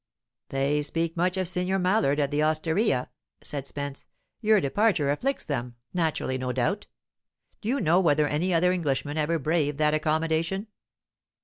"They speak much of Signor Mal lard at the osteria," said Spence. "Your departure afflicts them, naturally, no doubt. Do you know whether any other Englishman ever braved that accommodation?"